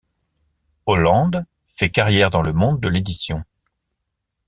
Holland fait carrière dans le monde de l'édition.